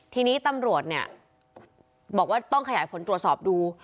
ทีนี้ตำรวจเนี่ยบอกว่าต้องขยายผลตรวจสอบดู